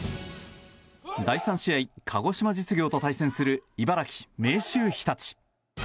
第３試合、鹿児島実業と対戦する茨城・明秀日立。